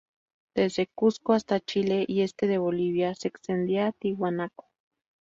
Desde Cuzco hasta Chile y este de Bolivia se extendía Tiahuanaco.